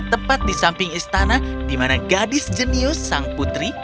tepat di samping istana di mana gadis jenius sang putri